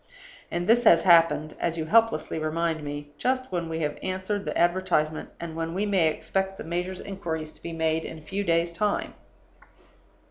And this has happened (as you helplessly remind me) just when we have answered the advertisement, and when we may expect the major's inquiries to be made in a few days' time.